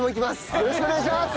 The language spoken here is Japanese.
よろしくお願いします！